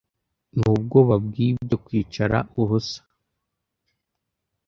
nubwoba bwibyo Kwicara ubusa